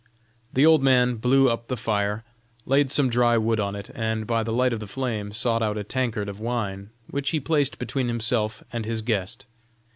The old man blew up the fire, laid some dry wood on it, and by the light of the flame sought out a tankard of wine, which he placed between himself and his guest.